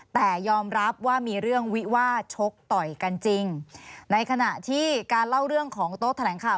แต่ยอมรับว่ามีเรื่องวิวาดชกต่อยกันจริงในขณะที่การเล่าเรื่องของโต๊ะแถลงข่าว